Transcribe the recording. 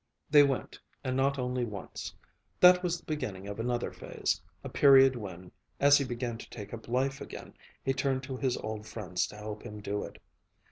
They went, and not only once. That was the beginning of another phase; a period when, as he began to take up life again, he turned to his old friends to help him do it.